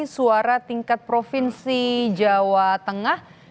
suara tingkat provinsi jawa tengah